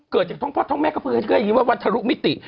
เกิดจากท้องพ่อท้องแม่ก็เพิ่งให้ยินว่าวันทะลุมิติ